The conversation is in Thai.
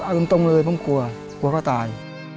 เอาตรงเลยผมกลัวกลัวเขาตาย